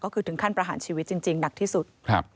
ก็คือถึงขั้นประหารชีวิตจริงหนักที่สุด